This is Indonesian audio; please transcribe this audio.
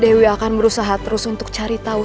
dewi akan berusaha terus untuk cari tahu